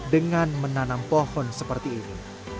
dengan menanam pohon seperti ini